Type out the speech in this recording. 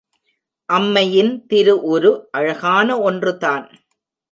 அம்மையின் திருஉரு அழகான ஒன்றுதான்.